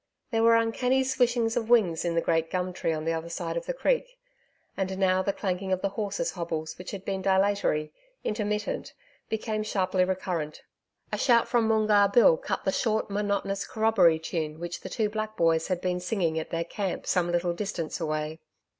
There were uncanny swishings of wings in the great gum tree on the other side of the creek. And now the clanking of the horses' hobbles which had been dilatory, intermittent, became sharply recurrent. A shout from Moongarr Bill cut short the monotonous corroboree tune which the two black boys had been singing at their camp some little distance away.